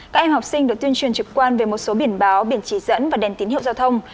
các em học sinh được tuyên truyền trực quan về một số biển báo biển chỉ dẫn và đèn tín hiệu giao thông